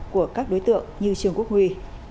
của các đối tượng như trương quốc huy